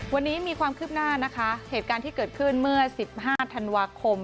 วันนี้มีความคืบหน้านะคะเหตุการณ์ที่เกิดขึ้นเมื่อ๑๕ธันวาคม